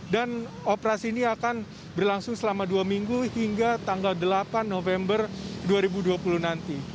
dan operasi ini akan berlangsung selama dua minggu hingga tanggal delapan november dua ribu dua puluh nanti